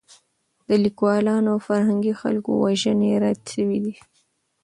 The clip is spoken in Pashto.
د لیکوالانو او فرهنګي خلکو وژنې رد شوې دي.